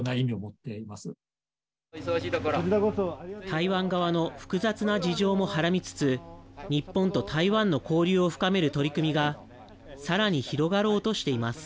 台湾側の複雑な事情もはらみつつ日本と台湾の交流を深める取り組みがさらに広がろうとしています。